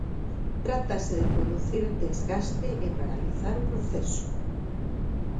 Trátase de producir desgaste e paralizar o proceso.